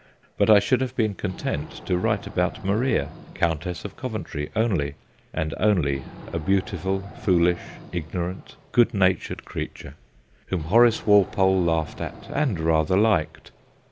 But I should have been con tent to write about Maria, Countess of Coventry only, and only a beautiful, foolish, ignorant, good natured creature, whom Horace Walpole laughed at and rather liked.